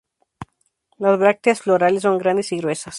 Las brácteas florales son grandes y gruesas.